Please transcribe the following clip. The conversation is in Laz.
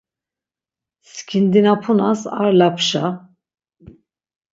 Skindinapunas ar lapşa...